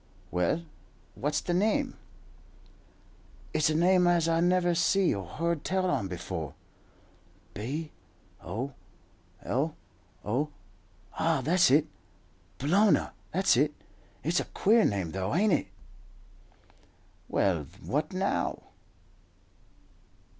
"Well, what's the name?" "It's a name as I never see or heard tell on before. B O L O ah, that's it; BOLOGNA, that's it. It is a queer name though, ain't it?" "Well, what now?"